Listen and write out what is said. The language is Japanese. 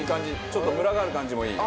ちょっとムラがある感じもいい。